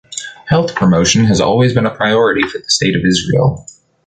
Health promotion has always been a priority for the State of Israel.